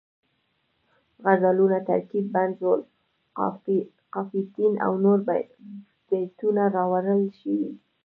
غزلونه، ترکیب بند ذوالقافیتین او نور بیتونه راوړل شوي